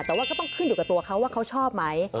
แต่ว่าก็ต้องขึ้นอยู่กับตัวเขาว่าเขาชอบไหม